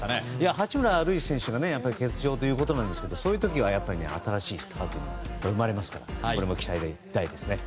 八村塁選手が欠場ということですがそういう時は新しいスターが生まれますからこれも期待大ですね。